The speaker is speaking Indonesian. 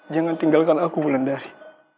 jangan tinggalkan aku bulan dari